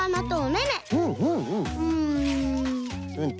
うん。